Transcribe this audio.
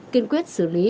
kiên quyết xử lý